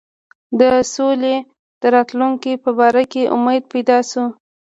د سولي د راتلونکي په باره کې امید پیدا شو.